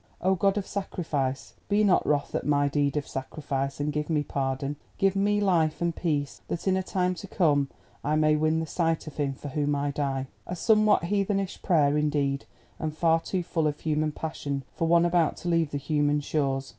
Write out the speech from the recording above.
Oh, God of Sacrifice, be not wroth at my deed of sacrifice and give me pardon, give me life and peace, that in a time to come I may win the sight of him for whom I die." A somewhat heathenish prayer indeed, and far too full of human passion for one about to leave the human shores.